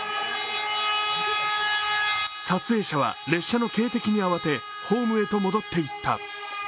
撮影者は列車の警笛に慌て、ホームへと戻っていった。